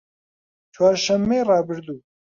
چوارشەممەی ڕابردوو